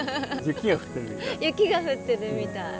雪が降ってるみたい。